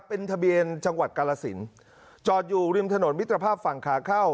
เป็นทะเบียนจังหวัดกาลสินจอดอยู่ริมถนนมิตรภาพฝั่งขาเข้า